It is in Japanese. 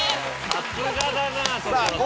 さすがだな所さん。